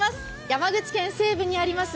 山口県西部にあります